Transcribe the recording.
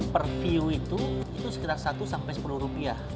per view itu itu sekitar satu sampai sepuluh rupiah